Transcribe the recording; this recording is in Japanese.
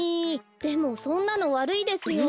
でもそんなのわるいですよ。